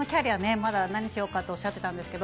まだ何しようかとおっしゃってたんですけど、